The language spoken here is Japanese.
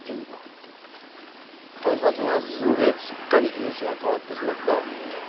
開発が進んですっかり様子がかわってしまった。